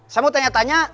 saya mau tanya tanya